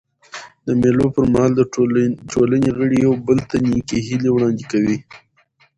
د مېلو پر مهال د ټولني غړي یو بل ته نېکي هیلي وړاندي کوي.